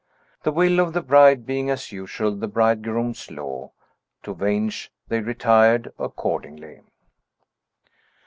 The will of the bride being, as usual, the bridegroom's law, to Vange they retired accordingly.